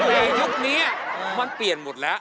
แต่ยุคนี้มันเปลี่ยนหมดแล้ว